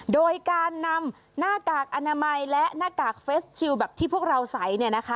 โดยการนำหน้ากากอนามัยและหน้ากากเฟสชิลแบบที่พวกเราใส่